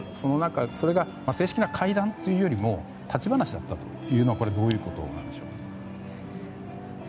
それが正式な会談というよりも立ち話だったというのはこれはどういうことなのでしょうか。